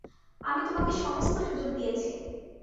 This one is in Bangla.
আমি তোমাকে সমস্ত সুযোগ দিয়েছি।